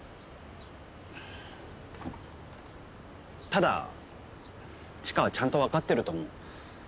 ただ知花はちゃんと分かってると思う。